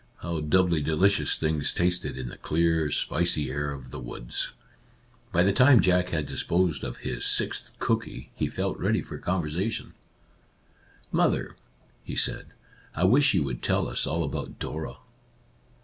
How doubly delicious things tasted in the clear, spicy air of the woods ! By the time Jack had disposed of his sixth cooky he felt ready for conversation, Our Little Canadian Cousin 1 1 " Mother," he said, " I wish you would tell us all about Dora."